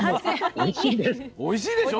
おいしいでしょでもね。